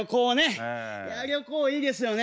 旅行いいですよね。